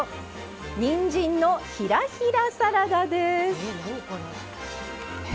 にんじんのひらひらサラダです。